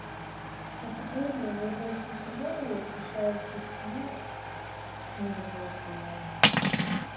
"I suppose you are rehearsing some more airs to show off with tonight," sneered a voice behind me.